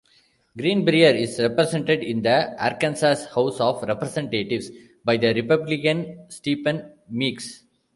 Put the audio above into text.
Greenbrier is represented in the Arkansas House of Representatives by the Republican Stephen Meeks.